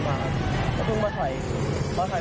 อาหารเธอต้องกลับไปแล้วใดน้ำซากกัน